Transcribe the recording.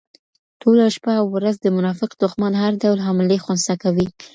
ټوله شپه او ورځ د منافق دښمن هر ډول حملې خنثی کوي